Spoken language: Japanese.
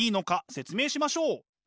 説明しましょう！